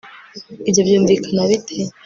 ibyo byumvikana bite